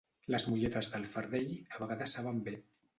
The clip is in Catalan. Les molletes del fardell a vegades saben bé.